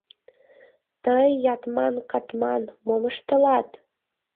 Тый, Ятман-катман, мом ыштылат?